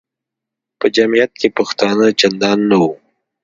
په جمیعت کې پښتانه چندان نه وو.